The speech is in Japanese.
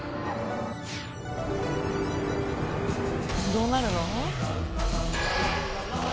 どうなるの？